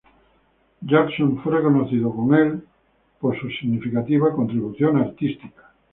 Jackson fue reconocida con el en por su significativa contribución artística.